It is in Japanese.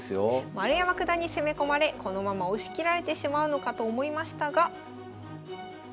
丸山九段に攻め込まれこのまま押し切られてしまうのかと思いましたが。